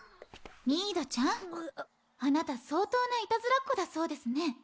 ミードちゃんあなた相当ないたずらっ子だそうですね。